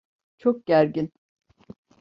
Çok gergin.